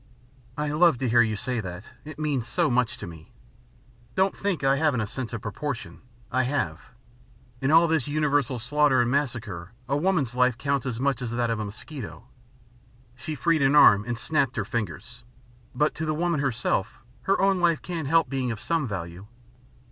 "I love to hear you say that, it means so much to me. Don't think I haven't a sense of proportion. I have. In all this universal slaughter and massacre, a woman's life counts as much as that of a mosquito." She freed an arm and snapped her fingers. "But to the woman herself, her own life can't help being of some value.